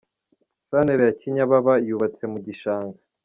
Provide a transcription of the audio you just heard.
Santere ya Kinyababa yubatse mu gishanga.